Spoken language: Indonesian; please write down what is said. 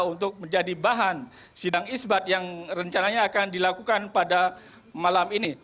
untuk menjadi bahan sidang isbat yang rencananya akan dilakukan pada malam ini